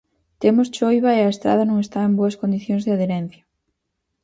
Temos choiva e a estrada non está en boas condicións de adherencia.